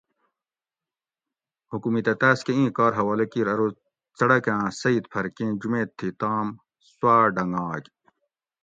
حکومِت اۤ تاۤس کہ اِیں کار حوالہ کِیر ارو څڑک آں سیٔت پھر کیں جُمیت تھی تام سواۤ ڈنگاگ